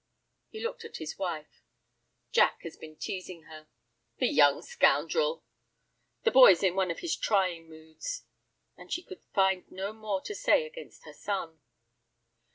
He looked at his wife. "Jack has been teasing her." "The young scoundrel." "The boy's in one of his trying moods." And she could find no more to say against her son.